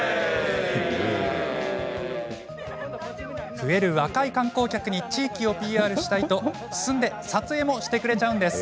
増える若い観光客に地域をＰＲしたいと進んで撮影もしてくれちゃうんです。